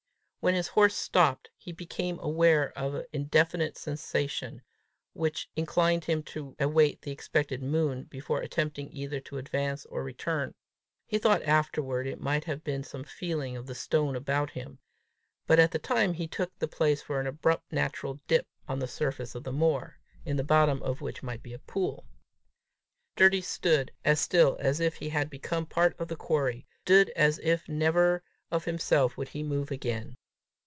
When his horse stopped, he became aware of an indefinite sensation which inclined him to await the expected moon before attempting either to advance or return. He thought afterward it might have been some feeling of the stone about him, but at the time he took the place for an abrupt natural dip of the surface of the moor, in the bottom of which might be a pool. Sturdy stood as still as if he had been part of the quarry, stood as if never of himself would he move again.